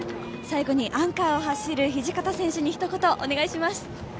最後にアンカーを走る土方選手にひと言お願いします。